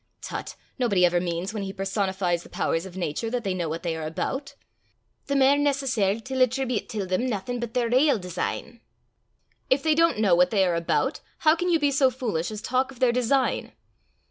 "Tut! nobody ever means, when he personifies the powers of nature, that they know what they are about." "The mair necessar' till attreebute till them naething but their rale design." "If they don't know what they are about, how can you be so foolish as talk of their design?"